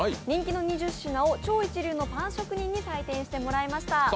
人気の２０品を超一流のパン職人に採点していただきました。